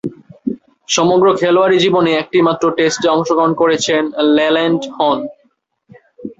সমগ্র খেলোয়াড়ী জীবনে একটিমাত্র টেস্টে অংশগ্রহণ করেছেন লেল্যান্ড হন।